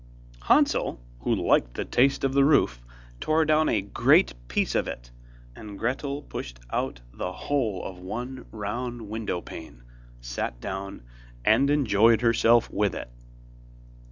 Hansel, who liked the taste of the roof, tore down a great piece of it, and Gretel pushed out the whole of one round window pane, sat down, and enjoyed herself with it.